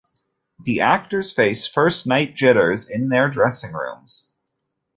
The actors face first-night jitters in their dressing rooms.